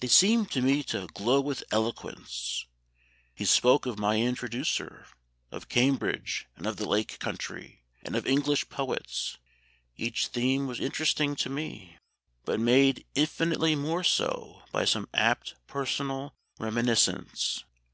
They seemed to me to glow with eloquence. He spoke of my introducer, of Cambridge, of the Lake Country, and of English poets. Each theme was interesting to me, but made infinitely more so by some apt personal reminiscence.